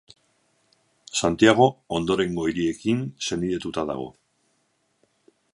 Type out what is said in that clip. Santiago ondorengo hiriekin senidetuta dago.